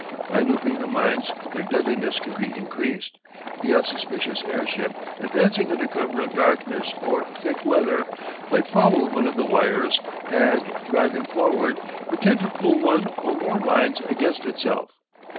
By looping the mines their deadliness could be increased. The unsuspicious airship, advancing under cover of darkness or thick weather, might foul one of the wires, and, driving forward, would tend to pull one or more mines against itself.